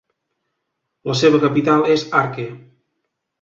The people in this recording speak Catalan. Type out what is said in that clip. La seva capital és Arque.